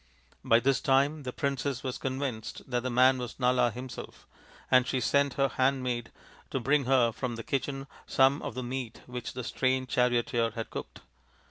By this time the princess was convinced that the man was Nala himself, and she sent her handmaid to bring her from the kitchen some of the meat which the strange charioteer had cooked.